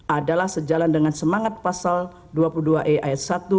adalah sejalan dengan semangat pasal dua puluh dua e ayat satu